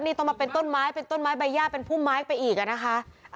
นี่ต้องมาเป็นต้นไม้เป็นต้นไม้ใบย่าเป็นพุ่มไม้ไปอีกอะนะคะ